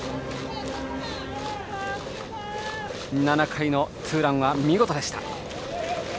７回のツーランは見事でした。